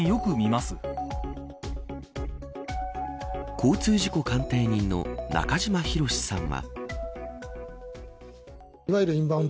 交通事故鑑定人の中島博史さんは。